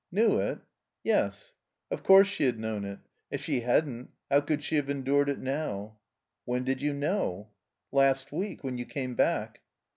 •'Knew it?" "Yes." Of course she had known it. If she hadn't, how could she have endured it now? "When did you know?" "Last week. When you came back."